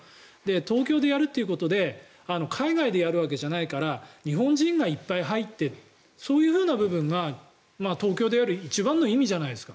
東京でやるということで海外でやるわけじゃないから日本人がいっぱい入っているそういう部分が東京でやる一番の理由じゃないですか。